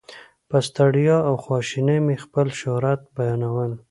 په ستړیا او خواشینۍ مې خپل شهرت بیانول.